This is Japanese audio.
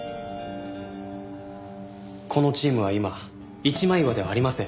このチームは今一枚岩ではありません。